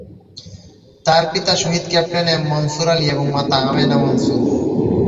তার পিতা শহীদ ক্যাপ্টেন এম মনসুর আলী এবং মাতা আমেনা মনসুর।